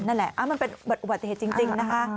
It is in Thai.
นั่นแหละมันเป็นอุบัติเหตุจริงนะคะ